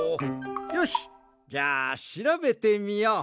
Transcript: よしじゃあしらべてみよう。